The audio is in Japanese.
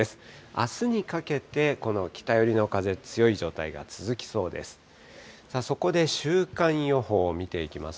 あすにかけて、この北寄りの風、強い状態が続きそうです。